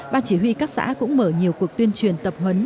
ban chỉ huy các xã cũng mở nhiều cuộc tuyên truyền tập huấn